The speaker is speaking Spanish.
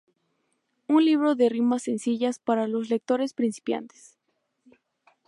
Un libro de rimas sencillas para los lectores principiantes.